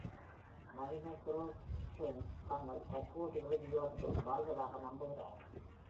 நவீன Zoroastrians, தாங்கள் தற்போது இறுதி யுகத்தில் வாழ்வதாக நம்புகிறார்கள்.